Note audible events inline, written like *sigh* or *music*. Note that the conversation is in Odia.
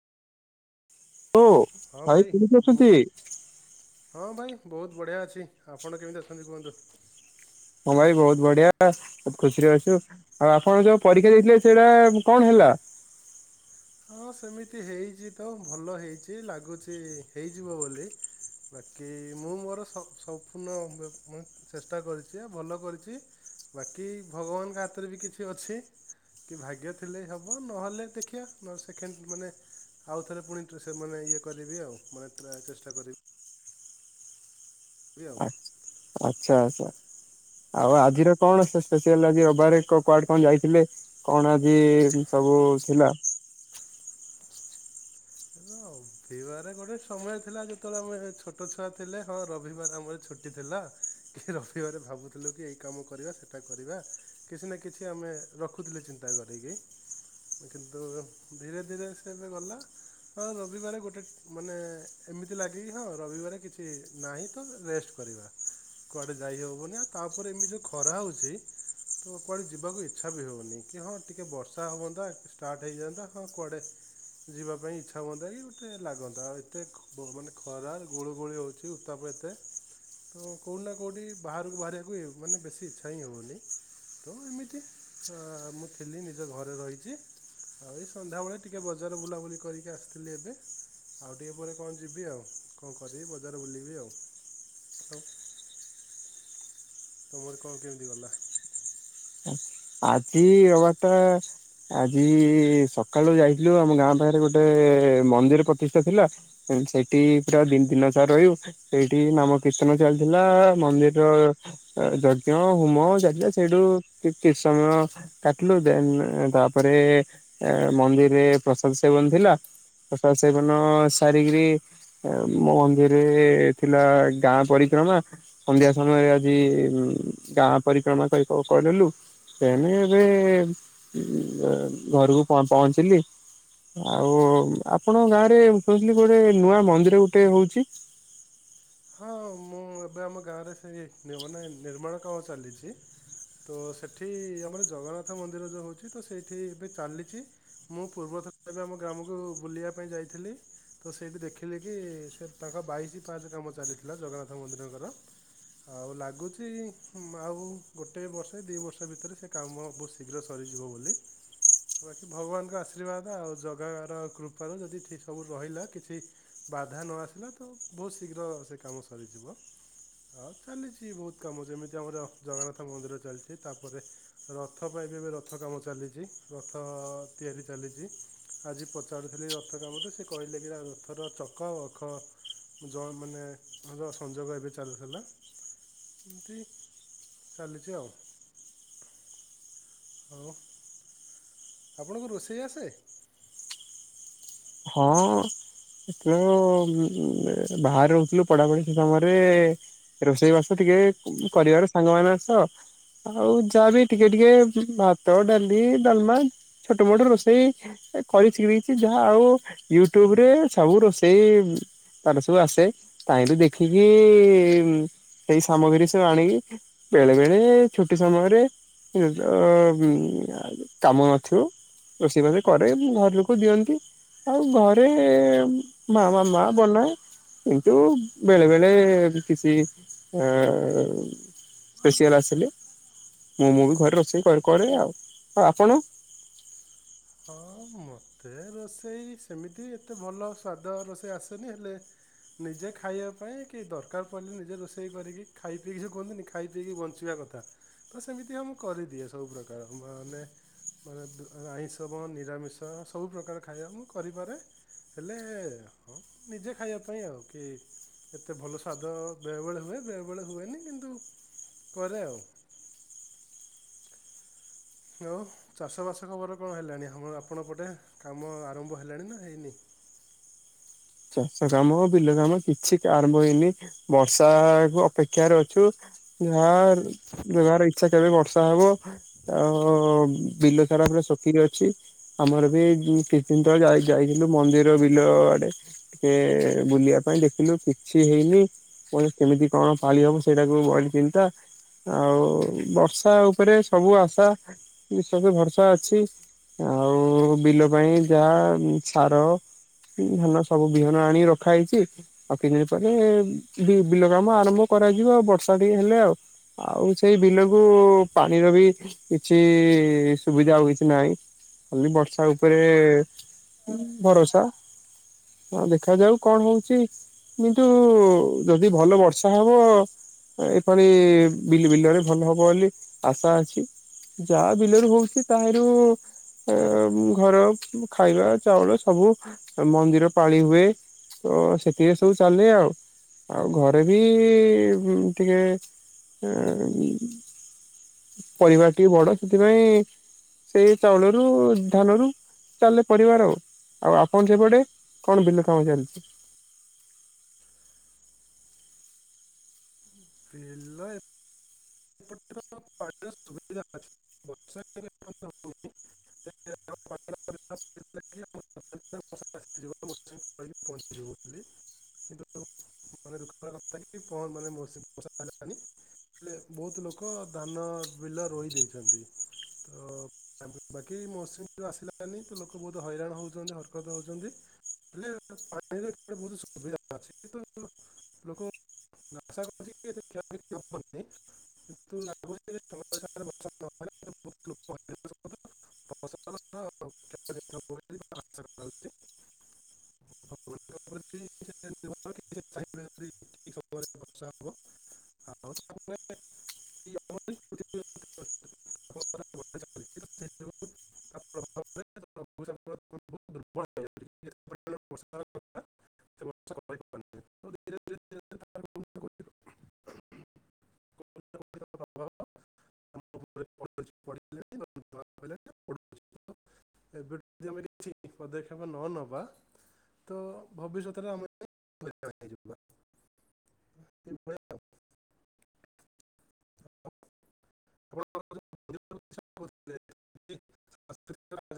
ହୋ ଭାଇ କେମିତିି ଅଛନ୍ତି? ବହୁତ୍ ବଢ଼ିଆ ଅଛି ଆପଣ କେମିତି ଅଛନ୍ତି କୁହନ୍ତୁ। ହଁ ଭାଇ ବହୁତ ବଢିଆ। ଖୁସିରେ ଅଛୁ। ଆଉ ଆପଣ ଯୋଉ ପରୀକ୍ଷା ଦେଇଥିଲେ ସେଇଟା କଣ ହେଲା? ହଁ ସେମିତି ହେଇଛି ତ ଭଲ ହେଇଛି ଲାଗୁଛି ହେଇଯିବ ବୋଲି ବାକି ମୁଁ ମୋର ସବୁ ସମ୍ପୂର୍ଣ୍ଣ ମୁ ଚେଷ୍ଟା କରିଛି ଭଲ କରିଛି ବାକି ଭଗବାନଙ୍କ ହାତରେ ବି କିଛି ଅଛି। ଭାଗ୍ୟ ରେ ଥିଲେ ହେବ ନହେଲେ ଦେଖିବା। ସେକେଣ୍ଡ ମାନେ ଆଉଥରେ ପୁଣି ଠୁ ସେମାନେ ଇଏ କରିବି ଆଉ ମାନେ ଚେଷ୍ଟା କରିବି। ହେଲୋ। ଆଛା ଆଛା ଆଉ ଆ- ଆଜିର କଣ ସ୍ପେସିଆଲ ରବିବାର କୁଆଡେ କଣ ଯାଇଥିଲେ କଣ ଆଜି ସବୁ ଥିଲା। ରବିବାର ଗୋଟେ ସମୟ ଥିଲା ଯେତେବେଳେ ଆମେ ଛୋଟ ଛୁଆ ଥିଲେ ହଁ ରବିବାର ଆମର ଛୁଟି ଥିଲା କି ରବିବାର ଭାବୁଥିଲୁ କି ଏଇ କାମ କରିବା ସେଇଟା କରିବା କିଛି ନା କିଛି ଆମେ ରଖୁଥିଲେ ଚିନ୍ତା କରିକି କିନ୍ତୁ ଧୀରେ ଧୀରେ ସେ ଏବେ ଗଲା। ହଁ ରବିବାର ଗୋଟେ ମାନେ ଏମିତି ଲାଗେ କି ହଁ ରବିବାର କିଛି ନାହିଁ ତ ରେଷ୍ଟ କରିବା। କୁଆଡେ ଯାଇ ହେବନି। ଆଉ ତାପରେ ଏମିତି ଯଉ ଖରା ହେଉଛି ତ କୁଆଡେ ଯିବାକୁ ଇଚ୍ଛା ବି ହଉନି। କି ହଁ ଟିକେ ବର୍ଷା ହବନ୍ତା ଷ୍ଟାର୍ଟ ହେଇଯାନ୍ତା। ହଁ କୁଆଡେ ଯିବାକୁ। ଇଛା ହୁଅନ୍ତା କି ଗୋଟେ ଲାଗନ୍ତା ଆଉ ଏତେ ମାନେ ଖର ଲଗୁଲି ଗୁଳି ହେଉଛି। ଉତ୍ତାପ ଏତେ ତ କେଉଠି ନା କେଉଠି ବାହାରକୁ ବାହାରିବାକୁ ମାନେ ବେଶୀ ଇଚ୍ଛା ହିଁ ହେଉନି। ତ ଏମିତି ମୁଁ ଥିଲି। ନିଜ ଘରେ ରହିଛି। ଆଉ ଏଇ ସନ୍ଧ୍ୟାବେଳେ ଟିକେ ବଜାର ବୁଲାବୁଲି- କରିକି ଆସିଥିଲି ଏବେ। ଆଉ ଟିକେ ପରେ କଣ ଯିବି ଆଉ। କଣ କରିବି ବଜାର ବୁଲିବି ଆଉ ଆଉ। ତମର କଣ କେମିତି ଗଲା? ଆଜି ରବିବାରଟା। ଆଜି ସକାଳୁ ଯାଇଥିଲୁ ଆମ ଗାଁ ପାଖରେ ଗୋଟେ ମନ୍ଦିର ପ୍ରତିଷ୍ଠା ଥିଲା। ସେଇଠି ପୁରା ଦ ଦିନ ସାରା ରହିବ ସେଇଠି ନାମକୀର୍ତ୍ତନ ଚାଲିଥିଲା ମନ୍ଦିରର ଯଜ୍ଞ ହୋମ ଚାଲିଥିଲା ସେଇଠୁ - କିଛି ସମୟ କାଟିଲୁ ଦେନ ତା ପରେ ମନ୍ଦିରରେ ପ୍ରସାଦ ସେବନ ଥିଲା। ପ୍ରସାଦ ସେବନ ସାରିକି ମନ୍ଦିରରେ ଥିଲା ଗାଁ ପରିକ୍ରମା। ସନ୍ଧ୍ୟା ସମୟରେ ଆଜି ଗାଁ ପରିକ୍ରମା କରିଲୁ। ଏଣେ ଏବେ ଘରକୁ ପହଞ୍ଚିଲି। ଆଉ ଆପଣଙ୍କ ଗାଁରେ ଶୁଣିଲି ଗୋଟେ ନୂଆ ମନ୍ଦିର ଗୋଟେ ହଉଛି। ହଁ ମୁଁ ଏବେ ଆମ ଗାଁରେ ସେଇ ମାନେ ନିର୍ମାଣ କାମ ଚାଲିଛି। ତ ସେଠି ଆମର ଜଗନ୍ନାଥ ମନ୍ଦିର ଯେଉ ହଉଛି ତ ସେଇଠି ଏବେ ଚାଲିଛି ମୁଁ ପୂର୍ବଥର ଏବେ ଆମ ଗ୍ରାମକୁ ବୁଲିବା ପାଇଁ ଯାଇଥିଲି ତ ସେଇଠି ଦେଖିଲି କି ସେ ତାଙ୍କ ବାଇଶି ପାହଚ କାମ ଚାଲିଥିଲା ଜଗନ୍ନାଥ ମନ୍ଦିରଙ୍କର। ଆଉ ଲାଗୁଚି ଆଉ ଗୋଟେ ବର୍ଷ କି ଦି ବର୍ଷ ଭିତରେ ସେ କାମ ବୋହୁତ ଶୀଘ୍ର ସରିଯିବ ବୋଲି। ବାକି ଭଗବାନଙ୍କ ଆଶୀର୍ବାଦ ଆଉ ଜଗାର କୃପାରୁ ଯଦିଠି ସବୁ ରହିଲା କିଛି ବାଧା ନ ଆସିଲା ତ ବୋହୁତ ଶି ଶୀଘ୍ର ସେ କାମ ସରିଯିବ। ଆଉ ଚାଲିଚି ବୋହୁତ କାମ ଯେମିତି ଆମର ଜଗନ୍ନାଥ ମନ୍ଦିର ଚାଲିଚି ତା ପରେ ରଥ ପାଇଁ ବି ଏବେ ରଥ କାମ ଚାଲିଚି। ରଥ ତିଆରି ଚାଲିଚି। ଆଜି ପଚାରୁଥିଲି ରଥ କାମ ତ ସେ କହିଲେ କି ନା ରଥର ଚକ ଆଉ ଅଖ ଜ ମାନେ ସଂଯୋଗ ଏବେ ଚାଲୁଥିଲା ଏମିତି ଚାଲିଚି ଆଉ। ଆଉ ଆପଣଙ୍କୁ ରୋଷେଇ ଆସେ? ହଁ ଅ ଟିକେ ବାହାରେ ରୋହୁଥିଲୁ ପଢା ପଢି ସେ ସମୟରେ ରୋଷେଇ ବାସ ଟିକେ କରିବାର ସାଙ୍ଗମାନଙ୍କ ସହ ଆଉ ଯାହାବି ଟିକେ ଟିକେ ଭାତ, ଡାଲି, ଡାଲମା ଛୋଟ ମୋଟ ରୋଷେଇ କରି ଶିଖି ଦେଇେଚି। ଯାହା ଆଉ ୟୁଟ୍ୟୁବରେ ସବୁ ରୋଷେଇ ତାର ସବୁ ଆସେ ଚାହିଁକି ଦେଖିକି ସେଇ ସାମଗ୍ରୀ ସବୁ ଆଣିକି ବେଳେ ବେଳେ ଛୁଟି ସମୟରେ ଅମ୍ କାମ ନଥିବ ରୋଷେଇ ବାସ କରେ ଘର ଲୋକ ଦିଅନ୍ତି। ଆଉ ଘରେ ମା ମାମା ବନାଏ। କିନ୍ତୁ ବେଳେ ବେଳେ କିଛି ସ୍ପେସିଆଲ ଆସିଲେ ମୁଁ ମୁଁ ବି ଘରେ ରୋଷେଇ କ-କରେ ଆଉ। ଆଉ ଆପଣ? ହଁ ମତେ ରୋଷେଇ ସେମିତି ଏତେ ଭଲ ସ୍ଵାଦ ରୋଷେଇ ଆସେନି। ହେଲେ ନିଜେ ଖାଇବା ପାଇଁ କି ଦରକାର ପଡ଼ିଲେ ନିଜେ ରୋଷେଇ କରିକି ଖାଇ ପିଇକି ଯୋଉ କୁହନ୍ତିନି ଖାଇ ପିଇକି ବଞ୍ଚିବା କଥା ତ ସେମିତିକା ମୁଁ କରିଦିଏ ସବୁ ପ୍ରକାର ମାନେ ମାନେ ଆଇଁଷ ତମ ନିରାମିଷ ସବୁ ପ୍ରକାର ଖାଇବା ମୁଁ କରିପାରେ। ହେଲେ ହଁ ନିଜେ ଖାଇବା ପାଇଁ ଆଉ କି ଏତେ ଭଲ ସ୍ୱାଦ ବେଳେବେଳେ ହୁଏ ବେଳେବେଳେ ହୁଏନି କିନ୍ତୁ କରେ ଆଉ। ଆଉ ଚାଷବାସ ଖବର କଣ ହେଲାଣି। ଆମ ଆପଣଙ୍କ ପଟେ କାମ ଆରମ୍ଭ ହେଲାଣି ନା ହେଇନି? ଚାଷ କାମ, ବିଲ କାମ, କିଛି ଆରମ୍ଭ ହେଇନି ବର୍ଷା କୁ ଅପେକ୍ଷାରେ ଅଛୁ ଯାହା ବ୍ଯବହାର ଇଚ୍ଛା କେବେ ବର୍ଷା ହବ। ଆଉ ବିଲ ସାରା ପା ଶଖିକି ଅଛି। ଆମର ବି କିଛି ଦିନ ତଳେ ଯାଇ ଯାଇଥିଲୁ ମନ୍ଦିର ବିଲ ଆଡେ। ଇଏ ବୁଲିବା ପାଇଁ ଦେଖିଲୁ କିଛି ହେଇନି କହିଲି କେମିତି କଣ ପାଳି ହବ ସେଇଟାକୁ ବି ମୋରି ଚିନ୍ତା ଆଉ ବର୍ଷା ଉପରେ ସବୁ ଆଶା ବିଶ୍ୱାସ ସବୁ ଭରସା ଅଛି। ଆଉ ବିଲ ପାଇଁ ଯାହା ସାର ଧାନ ସ ସବୁ ବିହନ ଆଣିି ରଖା ହେଇଚି। ଆଉ କିଛି ଦିନ ପରେ ବି-ବିଲ କାମ ଆରମ୍ଭ କରାଯିବ। ଆଉ ବର୍ଷା ଟିକେ ହେଲେ। ଆଉ ଆଉ ସେଇ ବିଲକୁ ପାଣିର ବି କିଛି ସୁବିଧା ଆଉ କିଛି ନାହିଁ। ଖାଲି ବର୍ଷା ଉପରେ ଭରସା। ହଁ ଦେଖ ଯାଉ କଣ ହୋଉଚି କିନ୍ତୁ ଯଦି ଭଲ ବର୍ଷା ହବ ଏପାଳି ବିଲ୍-ବିଲରେ ଭଲ ହବ ବୋଲି ଆଶା ଅଛି। ଯାହା ବିଲରୁ ହୋଉଚି ତାହାରୁ ଘର ଖାଇବା ଚାଉଳ ସବୁ ମନ୍ଦିର ପାଳି ହୁଏ। ତ ସେଥିରେ ସବୁ ଚାଲେ ଆଉ। ଆଉ ଘରେ ବି ଟିକେ ଏଁ ପରିବାର ଟିକେ ବଡ ସେଥିପାଇଁ ସେଇ ଚାଉଳରୁ ଧାନରୁ ଚାଲେ ପରିବାର ଆଉ। ଆଉ ଆପଣ ସେପଟେ? କଣ ବିଲ କାମ ଚାଲିଚି? ବିଲ *unintelligible* ବୋଲି କିନ୍ତୁ *unintelligible* ବର୍ଷା ହେଲାନି ହେଲେ ବୋହୁତ ଲୋକ ଧାନ ବିଲ ରୋହି ଦେଇଚନ୍ତି। ତ ବାକି ମଉସୁମି ଯେଉଁ ଆସିଲାନି ତ ଲୋକ ବୋହୁତ ହଇରାଣ ହୋଉଚନ୍ତି ହରକତ ହୋଉଚନ୍ତି। ହେଲେ ପାଣିରେ ବୋହୁତ ସୁବିଧା ଅଛି କିନ୍ତୁ ଲୋକ *unintelligible* *unintelligible* ନା କୋଉଠି- *unintelligible* *unintelligible*